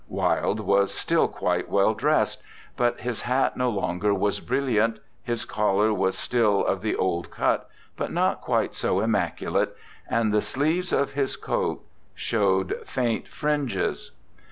Wilde was still quite well dressed; but his hat no longer was brilliant, his collar was still of the old cut, but not quite so immaculate, and the sleeves of his coat showed faint fringes.